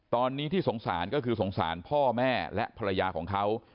ตอนนี้ที่สงสารก็คือสงสารพ่อแม่และภรรยาของเขา